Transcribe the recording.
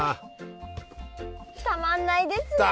たまんないですね！